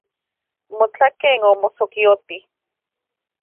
Notlaken omosokioti.